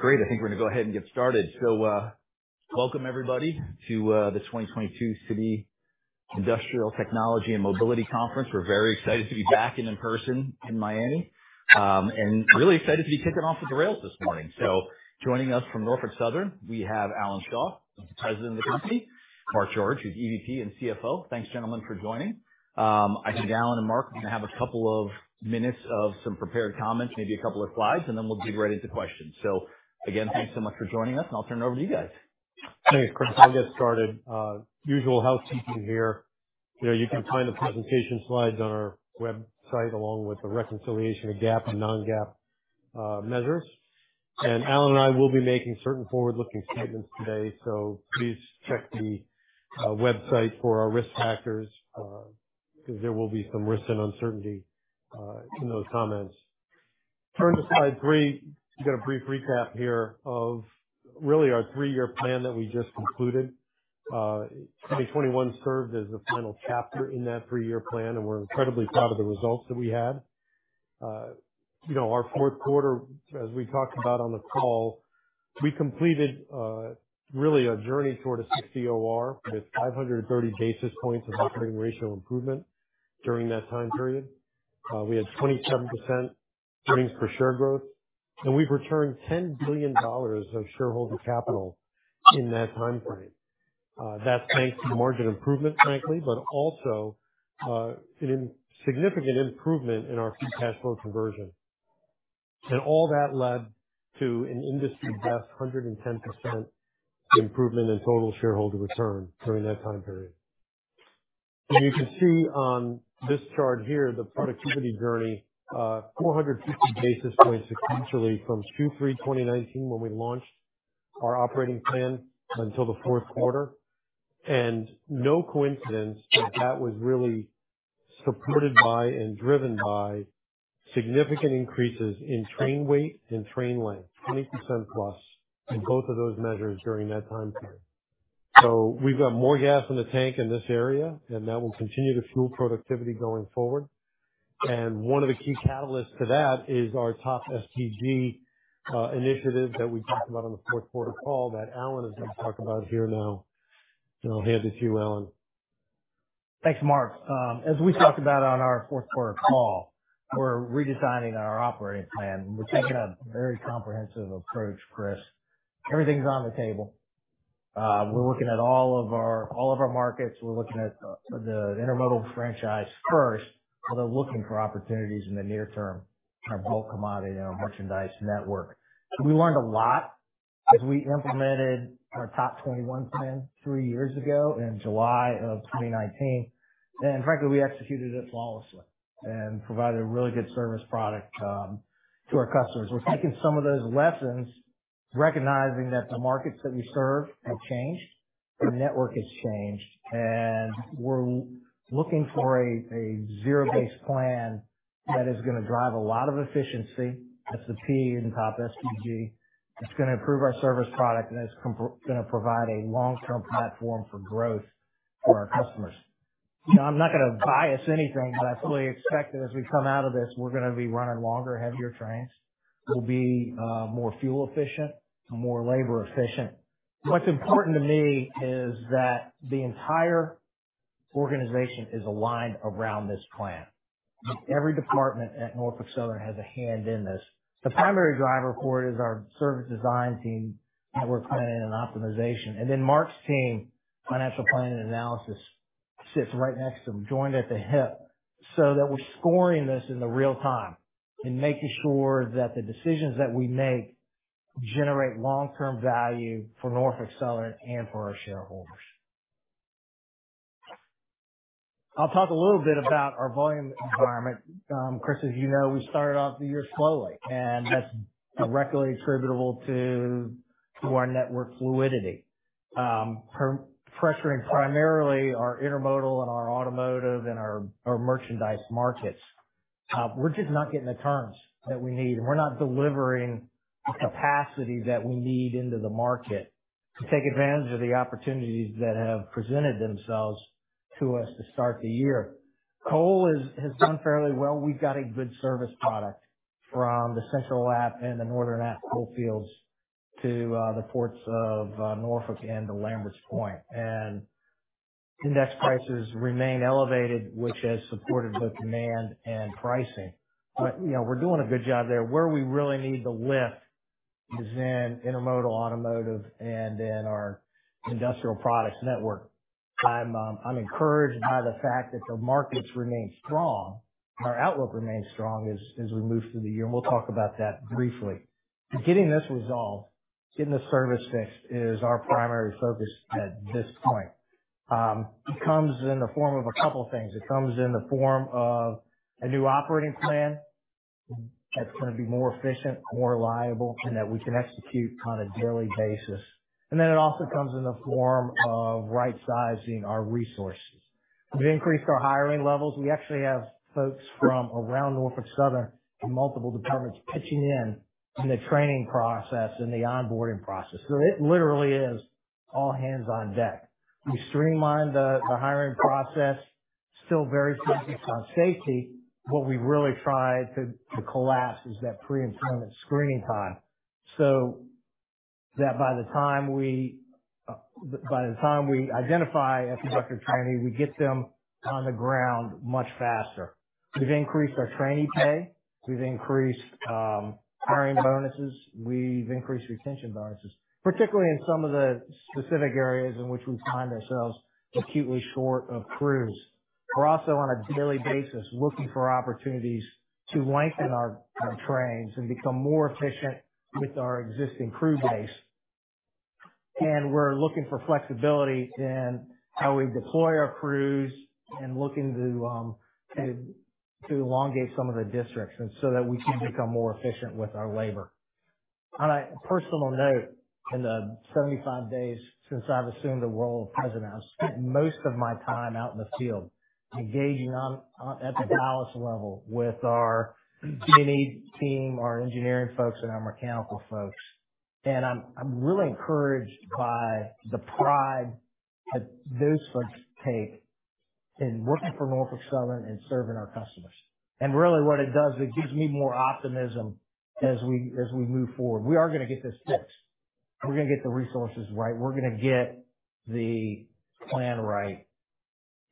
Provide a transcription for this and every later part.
Great. I think we're going to go ahead and get started. Welcome, everybody, to the 2022 Citi Industrial Technology and Mobility Conference. We're very excited to be back in person in Miami and really excited to be kicking off with the rails this morning. Joining us from Norfolk Southern, we have Alan Shaw, the President of the company, Mark George, who's EVP and CFO. Thanks, gentlemen, for joining. I think Alan and Mark are going to have a couple of minutes of some prepared comments, maybe a couple of slides, and then we'll get right into questions. Again, thanks so much for joining us, and I'll turn it over to you guys. Thanks. I'll get started. Usual housekeeping here. You can find the presentation slides on our website along with the reconciliation of GAAP and non-GAAP measures. Alan and I will be making certain forward-looking statements today, so please check the website for our risk factors because there will be some risks and uncertainty in those comments. Turn to slide three. We've got a brief recap here of really our three-year plan that we just concluded. 2021 served as the final chapter in that three-year plan, and we're incredibly proud of the results that we had. Our fourth quarter, as we talked about on the call, we completed really a journey toward a sixty-year OR with 530 basis points of operating ratio improvement during that time period. We had 27% earnings per share growth, and we've returned $10 billion of shareholder capital in that time frame. That's thanks to margin improvement, frankly, but also a significant improvement in our cash flow conversion. All that led to an industry-best 110% improvement in total shareholder return during that time period. You can see on this chart here the productivity journey, 450 basis points sequentially from Q3 2019 when we launched our operating plan until the fourth quarter. No coincidence that that was really supported by and driven by significant increases in train weight and train length, 20% plus in both of those measures during that time period. We have got more gas in the tank in this area, and that will continue to fuel productivity going forward. One of the key catalysts to that is our TOP SPG initiative that we talked about on the fourth quarter call that Alan is going to talk about here now. I'll hand it to you, Alan. Thanks, Mark. As we talked about on our fourth quarter call, we're redesigning our operating plan. We're taking a very comprehensive approach, Chris. Everything's on the table. We're looking at all of our markets. We're looking at the intermodal franchise first, but they're looking for opportunities in the near term in our bulk commodity and our merchandise network. We learned a lot as we implemented our TOP21 plan three years ago in July of 2019. Frankly, we executed it flawlessly and provided a really good service product to our customers. We're taking some of those lessons, recognizing that the markets that we serve have changed, the network has changed, and we're looking for a zero-based plan that is going to drive a lot of efficiency. That's the P in TOP SPG. It's going to improve our service product, and it's going to provide a long-term platform for growth for our customers. I'm not going to bias anything, but I fully expect that as we come out of this, we're going to be running longer, heavier trains. We'll be more fuel efficient and more labor efficient. What's important to me is that the entire organization is aligned around this plan. Every department at Norfolk Southern has a hand in this. The primary driver for it is our service design team that we're planning and optimization. Mark's team, financial planning and analysis, sits right next to him, joined at the hip, so that we're scoring this in real time and making sure that the decisions that we make generate long-term value for Norfolk Southern and for our shareholders. I'll talk a little bit about our volume environment. Chris, as you know, we started off the year slowly, and that's directly attributable to our network fluidity, pressuring primarily our intermodal and our automotive and our merchandise markets. We're just not getting the turns that we need, and we're not delivering the capacity that we need into the market to take advantage of the opportunities that have presented themselves to us to start the year. Coal has done fairly well. We've got a good service product from the Central APP and the Northern APP coal fields to the ports of Norfolk and to Lamberts Point. Index prices remain elevated, which has supported both demand and pricing. We're doing a good job there. Where we really need to lift is in intermodal, automotive, and in our industrial products network. I'm encouraged by the fact that the markets remain strong and our outlook remains strong as we move through the year. We'll talk about that briefly. Getting this resolved, getting the service fixed is our primary focus at this point. It comes in the form of a couple of things. It comes in the form of a new operating plan that's going to be more efficient, more reliable, and that we can execute on a daily basis. It also comes in the form of right-sizing our resources. We've increased our hiring levels. We actually have folks from around Norfolk Southern and multiple departments pitching in in the training process and the onboarding process. It literally is all hands on deck. We streamlined the hiring process, still very focused on safety. What we really tried to collapse is that pre-employment screening time so that by the time we identify a conductor trainee, we get them on the ground much faster. We've increased our trainee pay. We've increased hiring bonuses. We've increased retention bonuses, particularly in some of the specific areas in which we find ourselves acutely short of crews. We're also on a daily basis looking for opportunities to lengthen our trains and become more efficient with our existing crew base. We're looking for flexibility in how we deploy our crews and looking to elongate some of the districts so that we can become more efficient with our labor. On a personal note, in the 75 days since I've assumed the role of President, I've spent most of my time out in the field engaging at the level with our D&H team, our engineering folks, and our mechanical folks. I am really encouraged by the pride that those folks take in working for Norfolk Southern and serving our customers. What it does, it gives me more optimism as we move forward. We are going to get this fixed. We are going to get the resources right. We are going to get the plan right.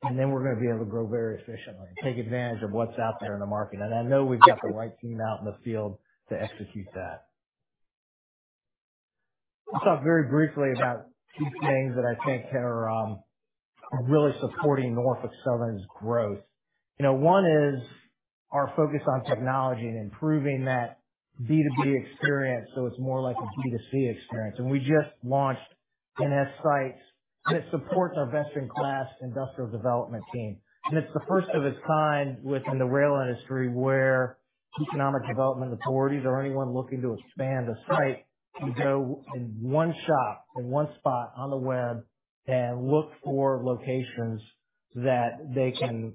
We are going to be able to grow very efficiently and take advantage of what is out there in the market. I know we have the right team out in the field to execute that. I will talk very briefly about two things that I think are really supporting Norfolk Southern's growth. One is our focus on technology and improving that B2B experience so it is more like a B2C experience. We just launched NS Sites, and it supports our best-in-class industrial development team. It is the first of its kind within the rail industry where economic development authorities or anyone looking to expand a site can go in one shop, in one spot on the web, and look for locations that they can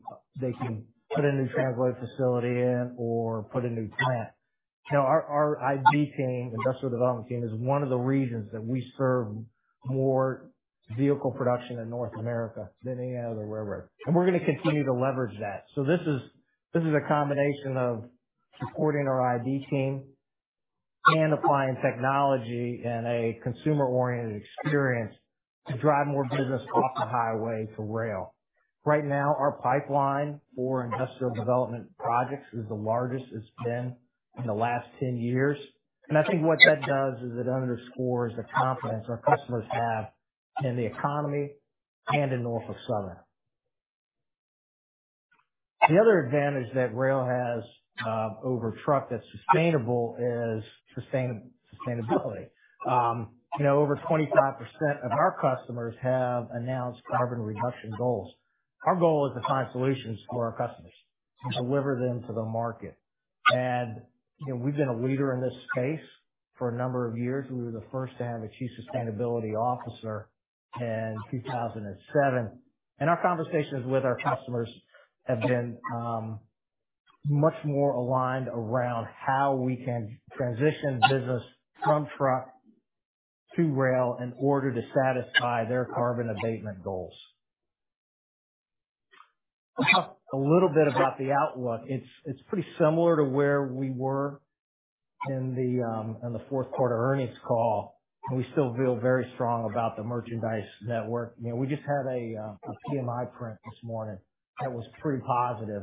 put a new transload facility in or put a new plant. Our ID team, industrial development team, is one of the regions that we serve more vehicle production in North America than any other railroad. We are going to continue to leverage that. This is a combination of supporting our ID team and applying technology and a consumer-oriented experience to drive more business off the highway to rail. Right now, our pipeline for industrial development projects is the largest it has been in the last 10 years. I think what that does is it underscores the confidence our customers have in the economy and in Norfolk Southern. The other advantage that rail has over truck that's sustainable is sustainability. Over 25% of our customers have announced carbon reduction goals. Our goal is to find solutions for our customers and deliver them to the market. We've been a leader in this space for a number of years. We were the first to have a Chief Sustainability Officer in 2007. Our conversations with our customers have been much more aligned around how we can transition business from truck to rail in order to satisfy their carbon abatement goals. A little bit about the outlook. It's pretty similar to where we were in the fourth quarter earnings call. We still feel very strong about the merchandise network. We just had a PMI print this morning that was pretty positive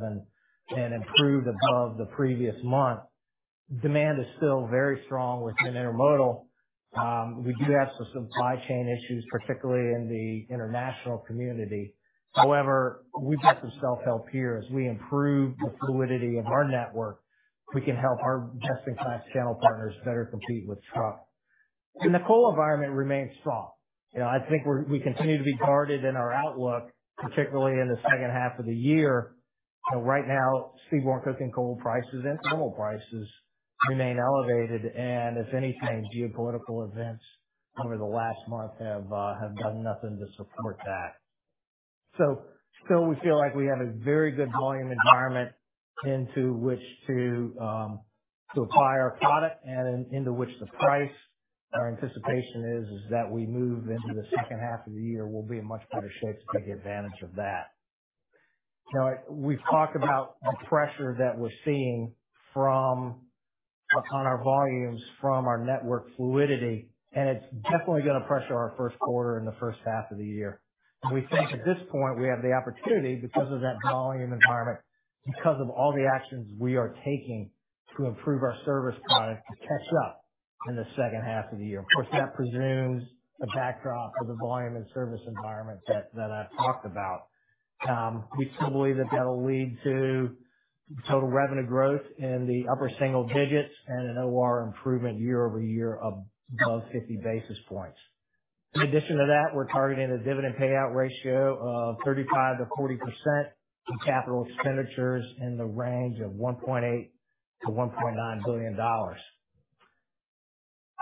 and improved above the previous month. Demand is still very strong within intermodal. We do have some supply chain issues, particularly in the international community. However, we've got some self-help here. As we improve the fluidity of our network, we can help our best-in-class channel partners better compete with truck. The coal environment remains strong. I think we continue to be guarded in our outlook, particularly in the second half of the year. Right now, steam and coal prices and thermal prices remain elevated. If anything, geopolitical events over the last month have done nothing to support that. Still, we feel like we have a very good volume environment into which to apply our product and into which to price. Our anticipation is that as we move into the second half of the year, we'll be in much better shape to take advantage of that. We've talked about the pressure that we're seeing on our volumes from our network fluidity, and it's definitely going to pressure our first quarter and the first half of the year. We think at this point, we have the opportunity because of that volume environment, because of all the actions we are taking to improve our service product to catch up in the second half of the year. Of course, that presumes a backdrop for the volume and service environment that I've talked about. We still believe that that'll lead to total revenue growth in the upper single digits and an OR improvement year over year above 50 basis points. In addition to that, we're targeting a dividend payout ratio of 35%-40% and capital expenditures in the range of $1.8 billion-$1.9 billion.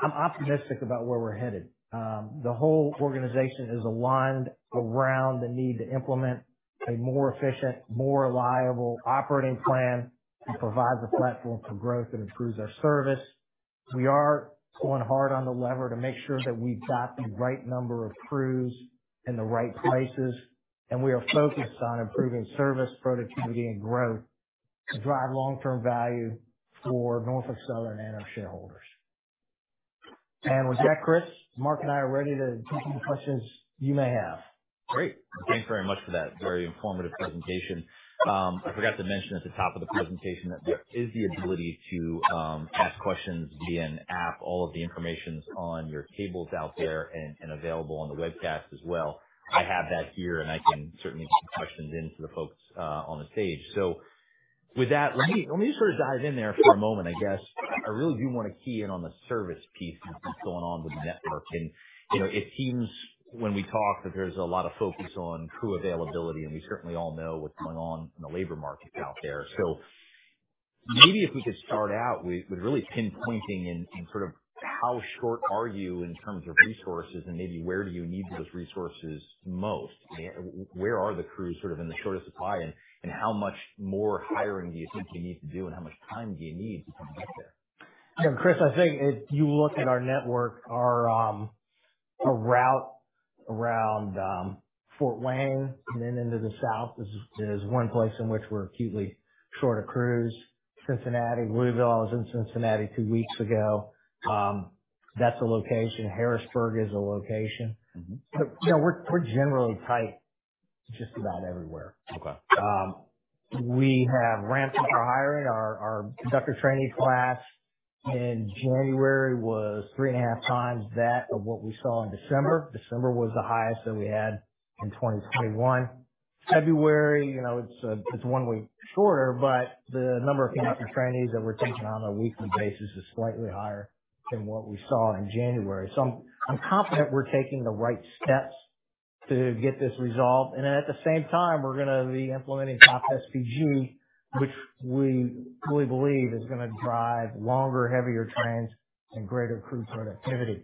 I'm optimistic about where we're headed. The whole organization is aligned around the need to implement a more efficient, more reliable operating plan to provide the platform for growth and improves our service. We are going hard on the lever to make sure that we've got the right number of crews in the right places. We are focused on improving service, productivity, and growth to drive long-term value for Norfolk Southern and our shareholders. With that, Chris, Mark and I are ready to take any questions you may have. Great. Thanks very much for that very informative presentation. I forgot to mention at the top of the presentation that there is the ability to ask questions via an app. All of the information's on your tables out there and available on the webcast as well. I have that here, and I can certainly put questions in to the folks on the stage. With that, let me just sort of dive in there for a moment, I guess. I really do want to key in on the service piece that's going on with the network. It seems when we talk that there's a lot of focus on crew availability, and we certainly all know what's going on in the labor market out there. Maybe if we could start out with really pinpointing in sort of how short are you in terms of resources, and maybe where do you need those resources most? Where are the crews sort of in the shortest supply, and how much more hiring do you think you need to do, and how much time do you need to get there? Chris, I think if you look at our network, our route around Fort Wayne and then into the south is one place in which we're acutely short of crews. Cincinnati, Louisville, I was in Cincinnati two weeks ago. That's a location. Harrisburg is a location. We're generally tight just about everywhere. We have ramped up our hiring. Our conductor trainee class in January was three and a half times that of what we saw in December. December was the highest that we had in 2021. February, it's one week shorter, but the number of conductor trainees that we're taking on a weekly basis is slightly higher than what we saw in January. I am confident we're taking the right steps to get this resolved. At the same time, we're going to be implementing TOP SPG, which we fully believe is going to drive longer, heavier trains and greater crew productivity.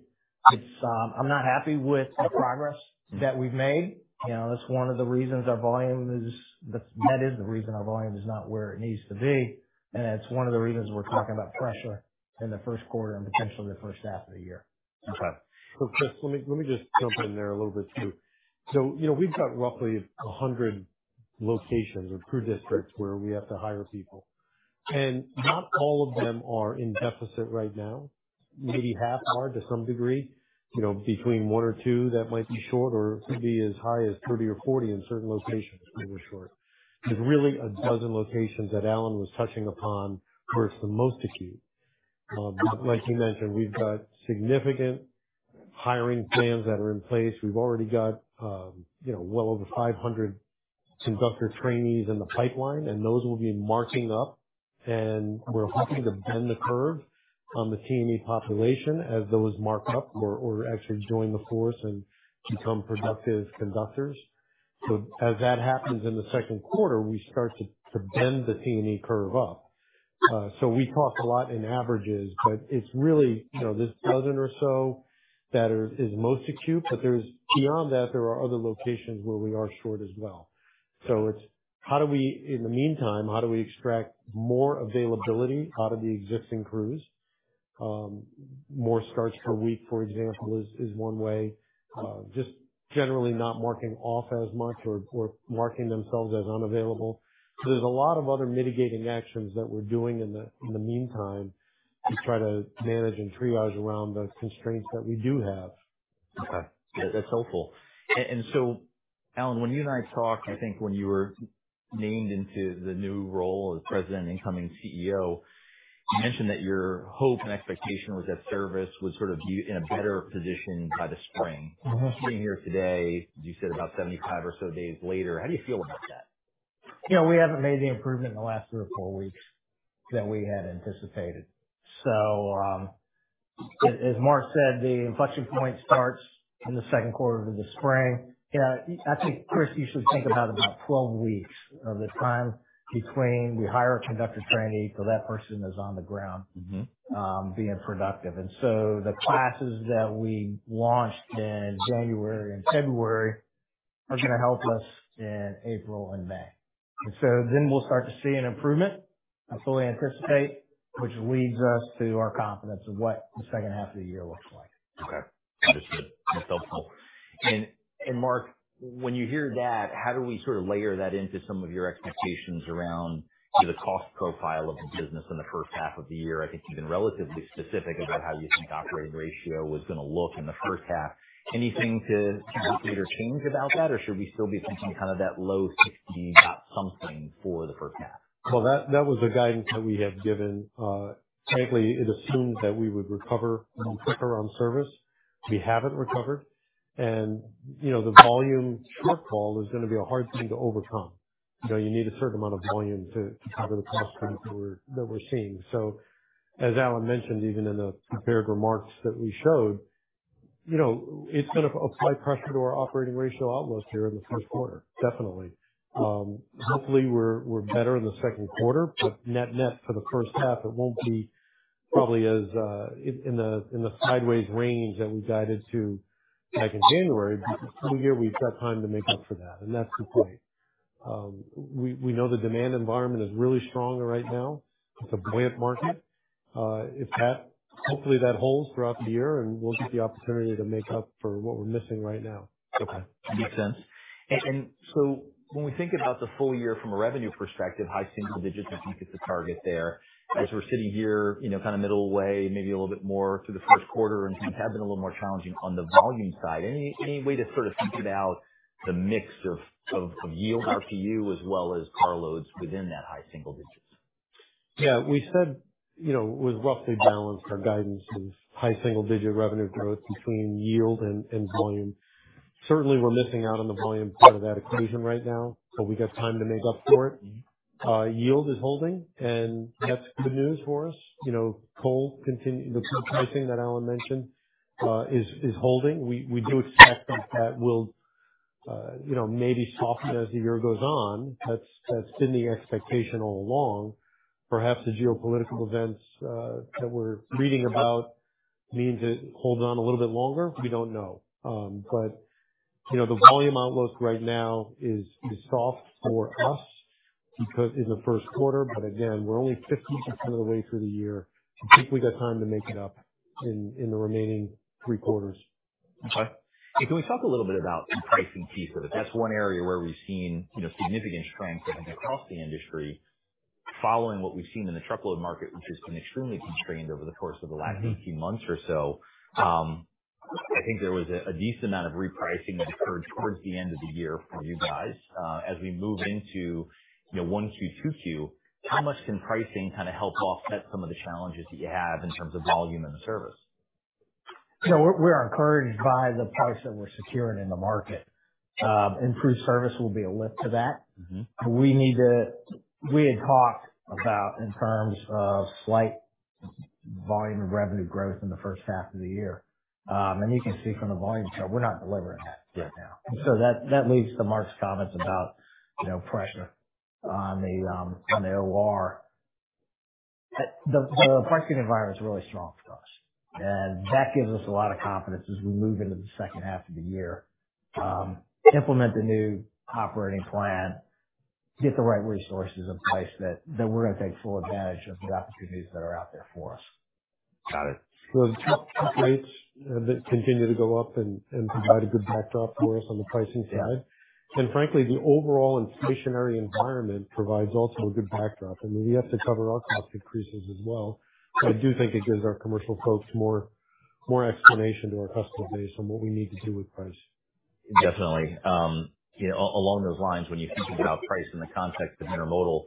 I'm not happy with the progress that we've made. That's one of the reasons our volume is not where it needs to be. It's one of the reasons we're talking about pressure in the first quarter and potentially the first half of the year. Okay. Chris, let me just jump in there a little bit too. We've got roughly 100 locations or crew districts where we have to hire people. Not all of them are in deficit right now. Maybe half are to some degree. Between one or two, that might be short, or it could be as high as 30 or 40 in certain locations that are short. There's really a dozen locations that Alan was touching upon where it's the most acute. Like you mentioned, we've got significant hiring plans that are in place. We've already got well over 500 conductor trainees in the pipeline, and those will be marking up. We're hoping to bend the curve on the T&E population as those mark up or actually join the force and become productive conductors. As that happens in the second quarter, we start to bend the T&E curve up. We talk a lot in averages, but it's really this dozen or so that is most acute. Beyond that, there are other locations where we are short as well. In the meantime, how do we extract more availability out of the existing crews? More starts per week, for example, is one way. Just generally not marking off as much or marking themselves as unavailable. There are a lot of other mitigating actions that we're doing in the meantime to try to manage and triage around the constraints that we do have. Okay. That's helpful. Alan, when you and I talked, I think when you were named into the new role as President and incoming CEO, you mentioned that your hope and expectation was that service would sort of be in a better position by the spring. Seeing here today, you said about 75 or so days later. How do you feel about that? We haven't made the improvement in the last three or four weeks that we had anticipated. As Mark said, the inflection point starts in the second quarter of the spring. I think, Chris, you should think about about 12 weeks of the time between we hire a conductor trainee till that person is on the ground being productive. The classes that we launched in January and February are going to help us in April and May. We will start to see an improvement, I fully anticipate, which leads us to our confidence of what the second half of the year looks like. Okay. Understood. That's helpful. Mark, when you hear that, how do we sort of layer that into some of your expectations around the cost profile of the business in the first half of the year? I think you've been relatively specific about how you think operating ratio was going to look in the first half. Anything to change about that, or should we still be thinking kind of that low 60-something for the first half? That was the guidance that we have given. Frankly, it assumed that we would recover quicker on service. We haven't recovered. The volume shortfall is going to be a hard thing to overcome. You need a certain amount of volume to cover the cost that we're seeing. As Alan mentioned, even in the prepared remarks that we showed, it's going to apply pressure to our operating ratio outlook here in the first quarter. Definitely. Hopefully, we're better in the second quarter, but net-net for the first half, it won't be probably as in the sideways range that we guided to back in January. This year, we've got time to make up for that. That's the point. We know the demand environment is really strong right now. It's a buoyant market. Hopefully, that holds throughout the year, and we'll get the opportunity to make up for what we're missing right now. Okay. Makes sense. When we think about the full year from a revenue perspective, high single digits is the target there. As we're sitting here, kind of middle of the way, maybe a little bit more through the first quarter, and things have been a little more challenging on the volume side. Any way to sort of think about the mix of yield RPU as well as car loads within that high single digits? Yeah. We said it was roughly balanced, our guidance is high single digit revenue growth between yield and volume. Certainly, we're missing out on the volume part of that equation right now, but we got time to make up for it. Yield is holding, and that's good news for us. Coal, the pricing that Alan mentioned, is holding. We do expect that that will maybe soften as the year goes on. That's been the expectation all along. Perhaps the geopolitical events that we're reading about mean to hold on a little bit longer. We don't know. The volume outlook right now is soft for us in the first quarter. Again, we're only 50% of the way through the year. I think we got time to make it up in the remaining three quarters. Okay. Can we talk a little bit about the pricing piece of it? That's one area where we've seen significant strength across the industry following what we've seen in the truckload market, which has been extremely constrained over the course of the last 18 months or so. I think there was a decent amount of repricing that occurred towards the end of the year for you guys. As we move into 1Q, 2Q, how much can pricing kind of help offset some of the challenges that you have in terms of volume and the service? We are encouraged by the price that we're securing in the market. Improved service will be a lift to that. We had talked about in terms of slight volume and revenue growth in the first half of the year. You can see from the volume chart, we're not delivering that right now. That leads to Mark's comments about pressure on the OR. The pricing environment is really strong for us. That gives us a lot of confidence as we move into the second half of the year, implement the new operating plan, get the right resources in place that we're going to take full advantage of the opportunities that are out there for us. Got it. The truck rates continue to go up and provide a good backdrop for us on the pricing side. Frankly, the overall inflationary environment provides also a good backdrop. We have to cover our cost increases as well. I do think it gives our commercial folks more explanation to our customer base on what we need to do with price. Definitely. Along those lines, when you think about price in the context of intermodal,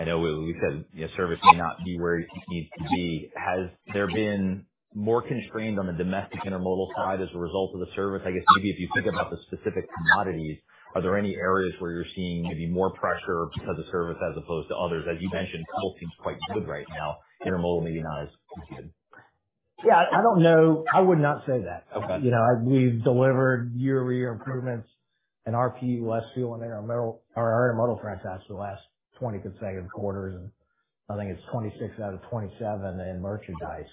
I know we said service may not be where it needs to be. Has there been more constraint on the domestic intermodal side as a result of the service? I guess maybe if you think about the specific commodities, are there any areas where you're seeing maybe more pressure because of service as opposed to others? As you mentioned, coal seems quite good right now. Intermodal maybe not as good. Yeah. I don't know. I would not say that. We've delivered year-over-year improvements in RPU, less fuel, and our intermodal franchise for the last 20 consecutive quarters. I think it's 26 out of 27 in merchandise.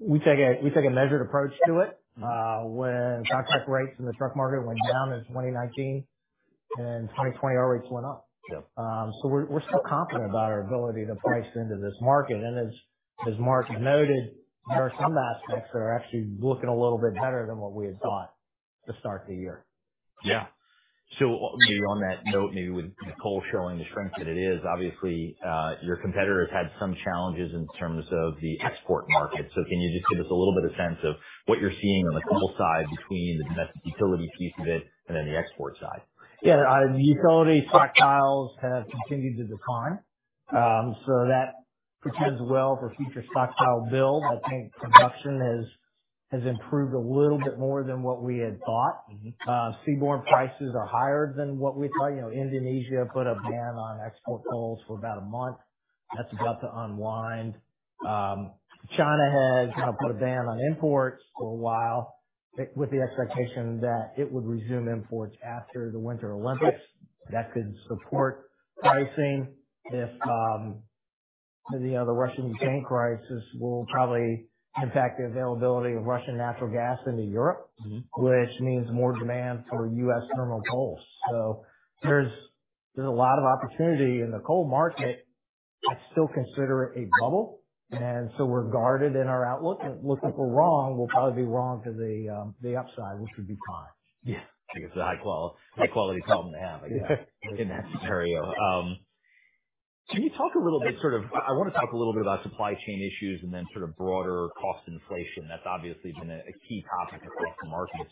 We take a measured approach to it. When contract rates in the truck market went down in 2019, and in 2020, our rates went up. We're still confident about our ability to price into this market. As Mark noted, there are some aspects that are actually looking a little bit better than what we had thought to start the year. Yeah. Maybe on that note, with coal showing the strength that it is, obviously, your competitors had some challenges in terms of the export market. Can you just give us a little bit of sense of what you're seeing on the coal side between the domestic utility piece of it and then the export side? Yeah. The utility stockpiles have continued to decline. That presents well for future stockpile build. I think production has improved a little bit more than what we had thought. Seaborne prices are higher than what we thought. Indonesia put a ban on export coals for about a month. That is about to unwind. China has put a ban on imports for a while with the expectation that it would resume imports after the Winter Olympics. That could support pricing if the Russian Ukraine crisis will probably impact the availability of Russian natural gas into Europe, which means more demand for US thermal coals. There is a lot of opportunity in the coal market. I still consider it a bubble. We are guarded in our outlook. If we are wrong, we will probably be wrong to the upside, which would be fine. Yeah. I think it's a high-quality problem to have, I guess, in that scenario. Can you talk a little bit, sort of, I want to talk a little bit about supply chain issues and then sort of broader cost inflation. That's obviously been a key topic across the market.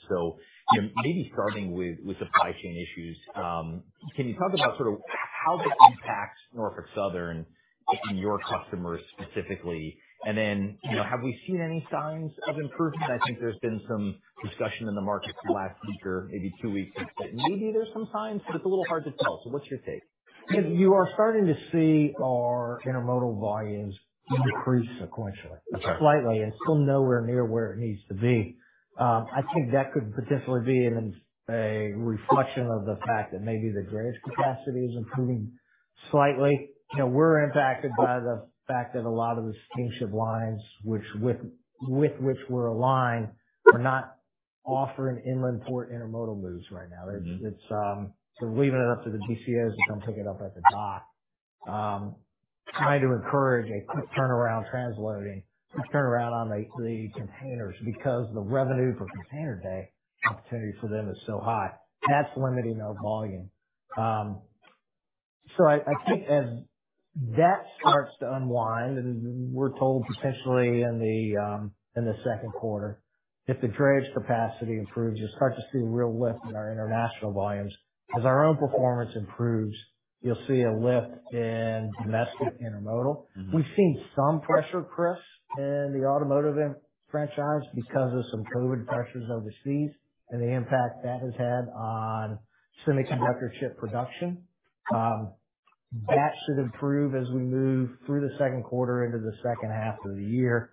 Maybe starting with supply chain issues, can you talk about sort of how this impacts Norfolk Southern and your customers specifically? Have we seen any signs of improvement? I think there's been some discussion in the market for the last week or maybe two weeks that maybe there's some signs, but it's a little hard to tell. What's your take? You are starting to see our intermodal volumes increase sequentially slightly and still nowhere near where it needs to be. I think that could potentially be a reflection of the fact that maybe the drayage capacity is improving slightly. We're impacted by the fact that a lot of the steamship lines, with which we're aligned, are not offering inland port intermodal moves right now. We're leaving it up to the DCAs to come pick it up at the dock. Trying to encourage a quick turnaround transloading, quick turnaround on the containers because the revenue for container day opportunity for them is so high. That's limiting our volume. I think as that starts to unwind, and we're told potentially in the second quarter, if the drayage capacity improves, you'll start to see a real lift in our international volumes. As our own performance improves, you'll see a lift in domestic intermodal. We've seen some pressure, Chris, in the automotive franchise because of some COVID pressures overseas and the impact that has had on semiconductor chip production. That should improve as we move through the second quarter into the second half of the year.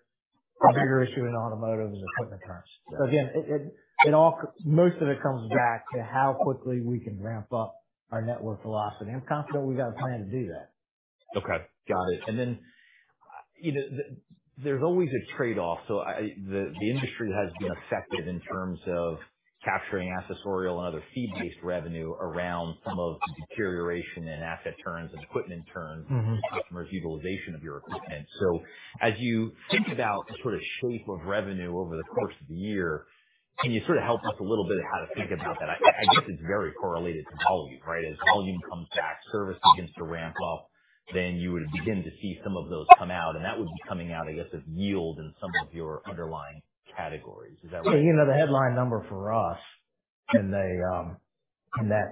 The bigger issue in automotive is equipment terms. Most of it comes back to how quickly we can ramp up our network velocity. I'm confident we've got a plan to do that. Okay. Got it. There is always a trade-off. The industry has been effective in terms of capturing accessorial and other fee-based revenue around some of the deterioration in asset turns and equipment turns and customers' utilization of your equipment. As you think about the sort of shape of revenue over the course of the year, can you help us a little bit how to think about that? I guess it is very correlated to volume, right? As volume comes back, service begins to ramp up, then you would begin to see some of those come out. That would be coming out, I guess, of yield in some of your underlying categories. Is that right? The headline number for us in that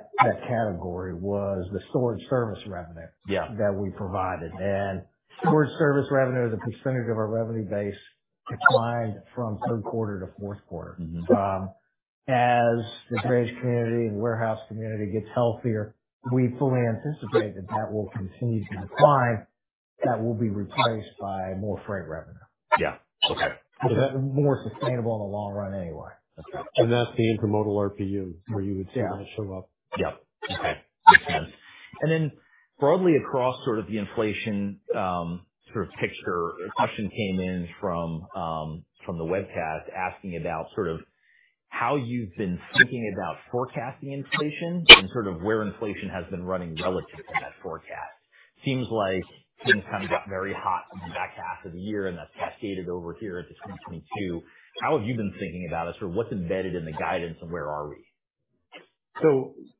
category was the storage service revenue that we provided. Storage service revenue as a percentage of our revenue base declined from third quarter to fourth quarter. As the drayage community and warehouse community gets healthier, we fully anticipate that that will continue to decline. That will be replaced by more freight revenue. Yeah. Okay. More sustainable in the long run anyway. That is the intermodal RPU where you would see that show up. Yeah. Yep. Okay. Makes sense. Then broadly across sort of the inflation sort of picture, a question came in from the webcast asking about sort of how you've been thinking about forecasting inflation and sort of where inflation has been running relative to that forecast. Seems like things kind of got very hot in the back half of the year, and that's cascaded over here into 2022. How have you been thinking about it? What's embedded in the guidance, and where are we?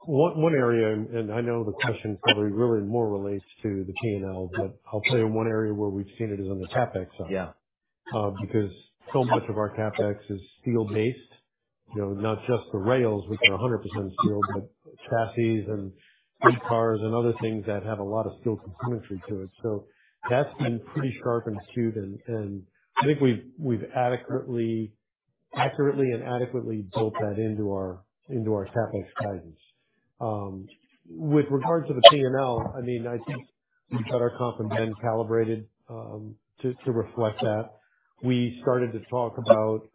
One area, and I know the question probably really more relates to the P&L, but I'll tell you one area where we've seen it is on the CapEx side because so much of our CapEx is steel-based, not just the rails, which are 100% steel, but chassis and fleet cars and other things that have a lot of steel componentry to it. That's been pretty sharp and acute. I think we've accurately and adequately built that into our CapEx guidance. With regard to the P&L, I mean, I think we've got our comp and ben calibrated to reflect that. We started to talk about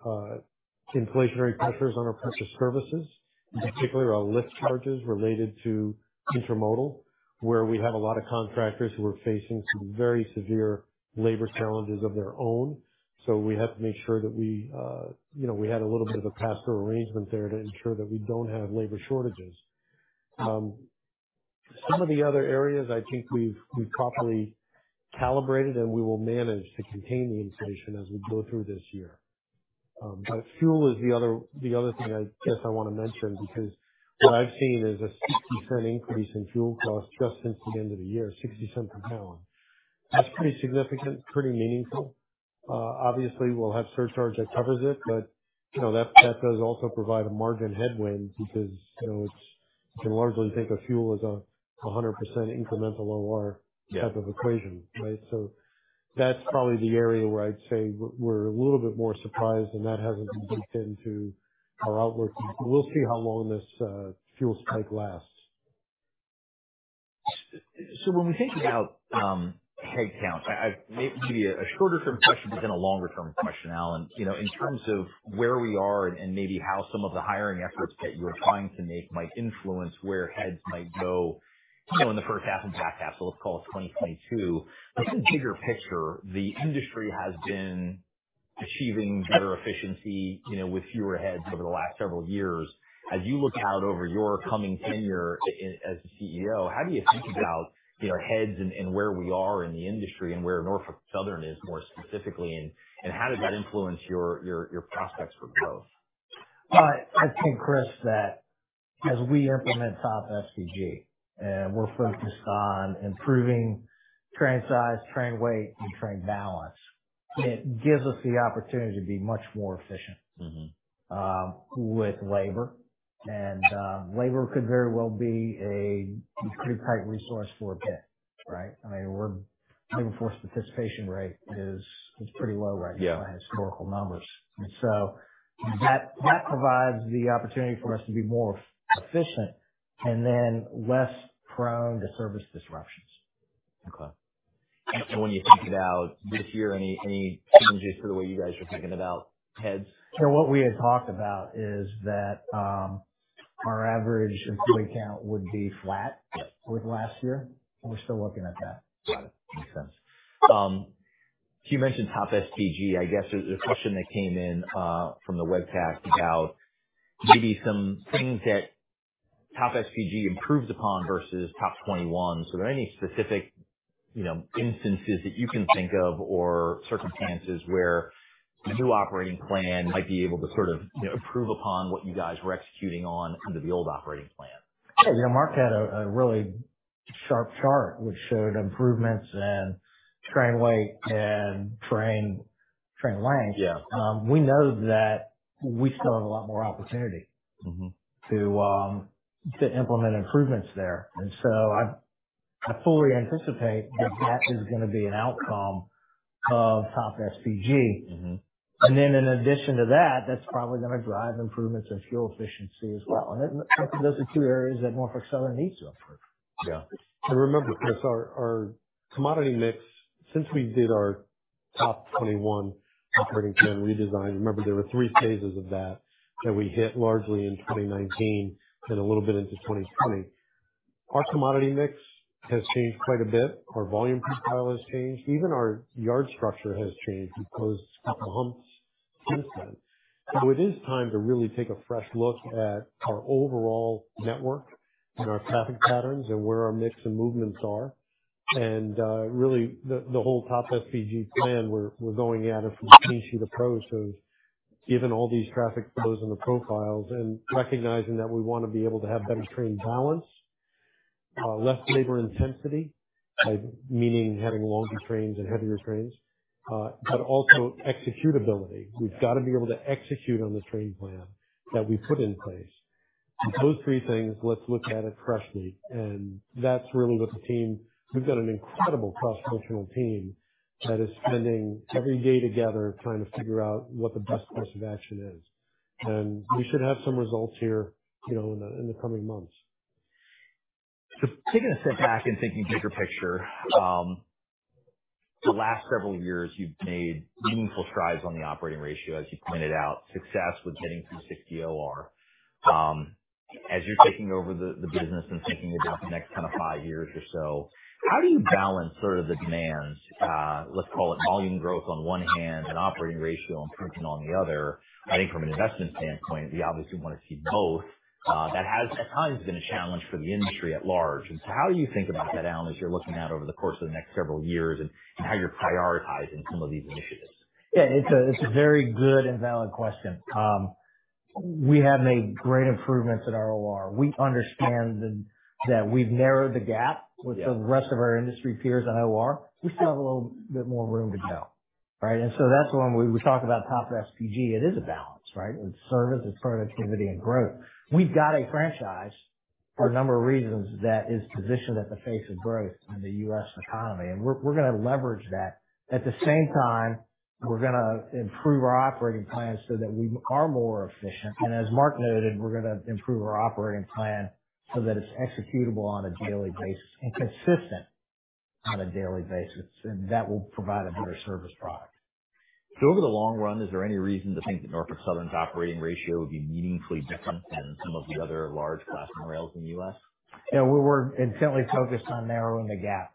inflationary pressures on our purchase services, particularly our lift charges related to intermodal, where we have a lot of contractors who are facing some very severe labor challenges of their own. We have to make sure that we had a little bit of a pass-through arrangement there to ensure that we do not have labor shortages. Some of the other areas, I think we have properly calibrated, and we will manage to contain the inflation as we go through this year. Fuel is the other thing I guess I want to mention because what I have seen is a $0.60 increase in fuel costs just since the end of the year, $0.60 a gallon. That is pretty significant, pretty meaningful. Obviously, we will have surcharge that covers it, but that does also provide a margin headwind because you can largely think of fuel as a 100% incremental OR type of equation, right? That is probably the area where I would say we are a little bit more surprised, and that has not been baked into our outlook. We will see how long this fuel spike lasts. When we think about headcount, maybe a shorter-term question, but then a longer-term question, Alan, in terms of where we are and maybe how some of the hiring efforts that you're trying to make might influence where heads might go in the first half and back half, so let's call it 2022. In the bigger picture, the industry has been achieving better efficiency with fewer heads over the last several years. As you look out over your coming tenure as the CEO, how do you think about heads and where we are in the industry and where Norfolk Southern is more specifically, and how does that influence your prospects for growth? I think, Chris, that as we implement TOP SPG and we're focused on improving train size, train weight, and train balance, it gives us the opportunity to be much more efficient with labor. Labor could very well be a pretty tight resource for a bit, right? I mean, our labor force participation rate is pretty low right now by historical numbers. That provides the opportunity for us to be more efficient and then less prone to service disruptions. Okay. When you think about this year, any changes to the way you guys are thinking about heads? Yeah. What we had talked about is that our average employee count would be flat with last year. We're still looking at that. Got it. Makes sense. You mentioned TOP SPG. I guess there's a question that came in from the webcast about maybe some things that TOP SPG improved upon versus TOP21. Are there any specific instances that you can think of or circumstances where the new operating plan might be able to sort of improve upon what you guys were executing on under the old operating plan? Yeah. Mark had a really sharp chart which showed improvements in train weight and train length. We know that we still have a lot more opportunity to implement improvements there. I fully anticipate that that is going to be an outcome of TOP SPG. In addition to that, that is probably going to drive improvements in fuel efficiency as well. Those are two areas that Norfolk Southern needs to improve. Yeah. Remember, Chris, our commodity mix, since we did our TOP21 operating plan redesign, there were three phases of that that we hit largely in 2019 and a little bit into 2020. Our commodity mix has changed quite a bit. Our volume profile has changed. Even our yard structure has changed and closed a couple of humps since then. It is time to really take a fresh look at our overall network and our traffic patterns and where our mix and movements are. Really, the whole TOP SPG plan, we're going at it from the clean sheet approach of given all these traffic flows and the profiles and recognizing that we want to be able to have better train balance, less labor intensity, meaning having longer trains and heavier trains, but also executability. We have got to be able to execute on the train plan that we put in place. Those three things, let's look at it freshly. That is really what the team, we have got an incredible cross-functional team that is spending every day together trying to figure out what the best course of action is. We should have some results here in the coming months. Taking a step back and thinking bigger picture, the last several years, you've made meaningful strides on the operating ratio, as you pointed out, success with getting through 60 OR. As you're taking over the business and thinking about the next kind of five years or so, how do you balance sort of the demands, let's call it volume growth on one hand and operating ratio improvement on the other? I think from an investment standpoint, we obviously want to see both. That has at times been a challenge for the industry at large. How do you think about that, Alan, as you're looking out over the course of the next several years and how you're prioritizing some of these initiatives? Yeah. It's a very good and valid question. We have made great improvements in our OR. We understand that we've narrowed the gap with the rest of our industry peers in OR. We still have a little bit more room to go, right? That's when we talk about TOP SPG. It is a balance, right? It's service, it's productivity, and growth. We've got a franchise for a number of reasons that is positioned at the face of growth in the U.S. economy. We're going to leverage that. At the same time, we're going to improve our operating plan so that we are more efficient. As Mark noted, we're going to improve our operating plan so that it's executable on a daily basis and consistent on a daily basis. That will provide a better service product. Over the long run, is there any reason to think that Norfolk Southern's operating ratio would be meaningfully different than some of the other large Class I rails in the U.S.? Yeah. We're intently focused on narrowing the gap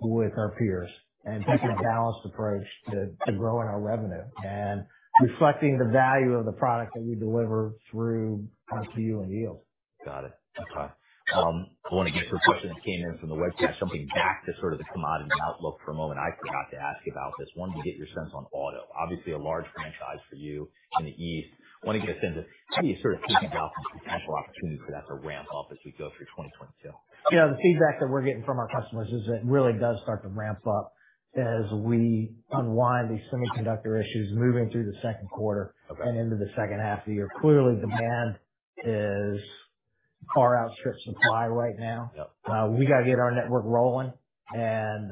with our peers and taking a balanced approach to growing our revenue and reflecting the value of the product that we deliver through RPU and yield. Got it. Okay. I want to get some questions that came in from the webcast. Jumping back to sort of the commodity outlook for a moment, I forgot to ask about this. I wanted to get your sense on auto. Obviously, a large franchise for you in the East. I want to get a sense of how do you sort of think about the potential opportunity for that to ramp up as we go through 2022? Yeah. The feedback that we're getting from our customers is it really does start to ramp up as we unwind these semiconductor issues moving through the second quarter and into the second half of the year. Clearly, demand is far outstripped supply right now. We got to get our network rolling, and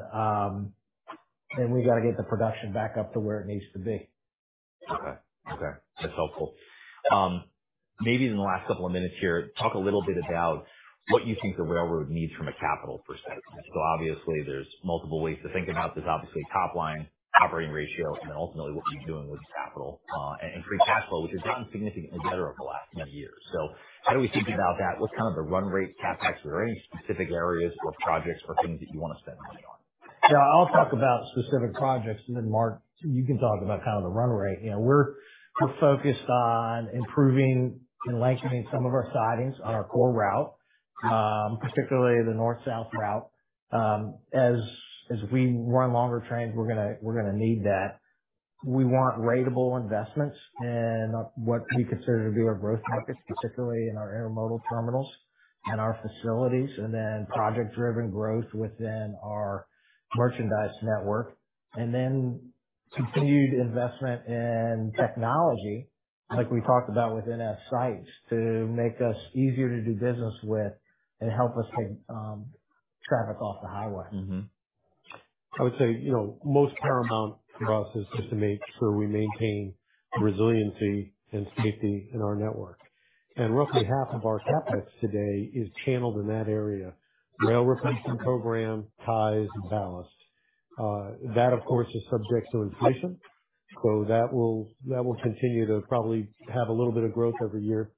we got to get the production back up to where it needs to be. Okay. Okay. That's helpful. Maybe in the last couple of minutes here, talk a little bit about what you think the railroad needs from a capital perspective. Obviously, there's multiple ways to think about this. Obviously, top line operating ratio, and then ultimately what you're doing with capital and free cash flow, which has gotten significantly better over the last many years. How do we think about that? What's kind of the run rate, CapEx, or any specific areas or projects or things that you want to spend money on? Yeah. I'll talk about specific projects, and then Mark, you can talk about kind of the run rate. We're focused on improving and lengthening some of our sidings on our core route, particularly the north-south route. As we run longer trains, we're going to need that. We want ratable investments in what we consider to be our growth markets, particularly in our intermodal terminals and our facilities, and then project-driven growth within our merchandise network, and then continued investment in technology, like we talked about with NS Sites, to make us easier to do business with and help us take traffic off the highway. I would say most paramount for us is just to make sure we maintain resiliency and safety in our network. Roughly half of our CapEx today is channeled in that area: rail replacement program, ties, and ballast. That, of course, is subject to inflation, so that will continue to probably have a little bit of growth every year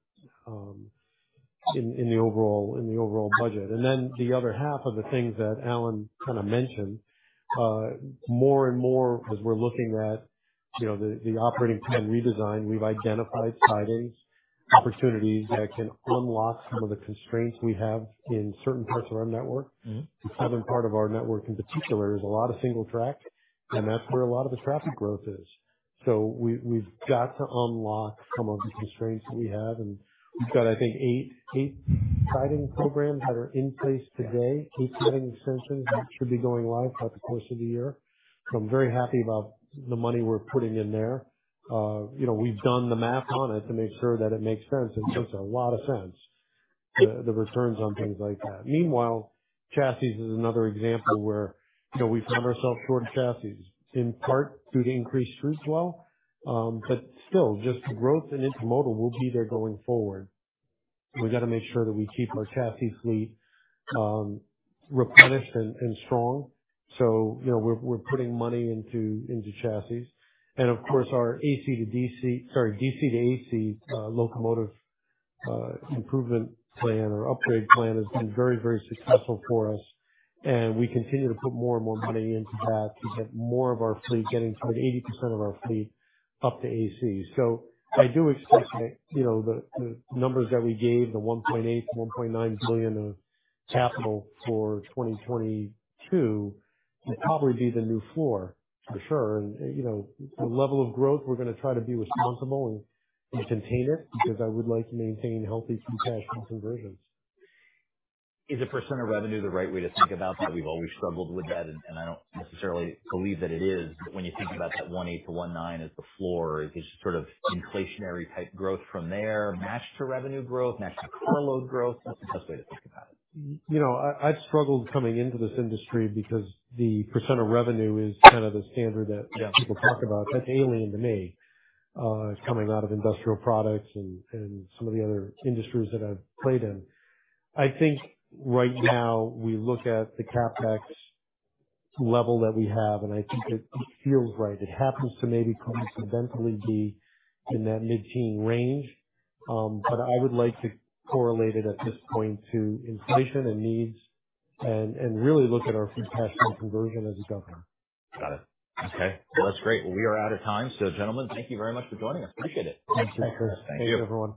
in the overall budget. The other half of the things that Alan kind of mentioned, more and more as we're looking at the operating plan redesign, we've identified sidings opportunities that can unlock some of the constraints we have in certain parts of our network. The southern part of our network in particular is a lot of single track, and that's where a lot of the traffic growth is. We have to unlock some of the constraints that we have. We have, I think, eight siding programs that are in place today, eight siding extensions that should be going live throughout the course of the year. I am very happy about the money we are putting in there. We have done the math on it to make sure that it makes sense, and it makes a lot of sense, the returns on things like that. Meanwhile, chassis is another example where we found ourselves short of chassis, in part due to increased street flow. Still, just growth and intermodal will be there going forward. We have to make sure that we keep our chassis fleet replenished and strong. We are putting money into chassis. Of course, our DC to AC locomotive improvement plan or upgrade plan has been very, very successful for us. We continue to put more and more money into that to get more of our fleet getting toward 80% of our fleet up to AC. I do expect that the numbers that we gave, the $1.8 billion-$1.9 billion of capital for 2022, will probably be the new floor for sure. The level of growth, we're going to try to be responsible and contain it because I would like to maintain healthy free cash flow conversions. Is a percent of revenue the right way to think about that? We've always struggled with that, and I don't necessarily believe that it is. When you think about that $1.8 billion-$1.9 billion as the floor, is it just sort of inflationary type growth from there matched to revenue growth, matched to carload growth? What's the best way to think about it? I've struggled coming into this industry because the percent of revenue is kind of the standard that people talk about. That's alien to me, coming out of industrial products and some of the other industries that I've played in. I think right now we look at the CapEx level that we have, and I think it feels right. It happens to maybe coincidentally be in that mid-teen range. I would like to correlate it at this point to inflation and needs and really look at our free cash flow conversion as a governor. Got it. Okay. That is great. We are out of time. Gentlemen, thank you very much for joining us. Appreciate it. Thank you, Chris. Thank you, everyone.